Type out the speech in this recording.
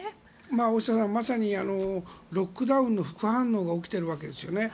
大下さん、まさにロックダウンの副反応が起きているわけですよね。